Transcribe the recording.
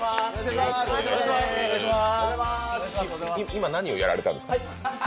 今、何をやられたんですか？